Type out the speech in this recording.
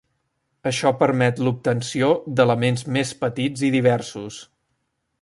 Això permet l'obtenció d'elements més petits i diversos.